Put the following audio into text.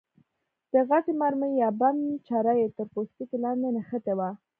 د غټې مرمۍ یا بم چره یې تر پوستکي لاندې نښتې وه.